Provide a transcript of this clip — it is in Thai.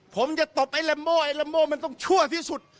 ผมจะตบไอ้แรมโม่ไอ้ลัมโม่มันต้องชั่วที่สุด